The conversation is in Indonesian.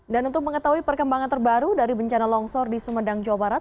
dan untuk mengetahui perkembangan terbaru dari bencana longsor di sumedang jawa barat